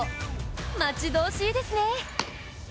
待ち遠しいですね！